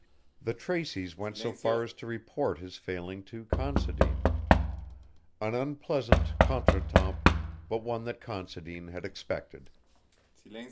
The Traceys went so far as to report his failing to Considine. An unpleasant contretemps, but one that Considine had expected.